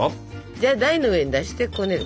じゃあ台の上に出してこねる。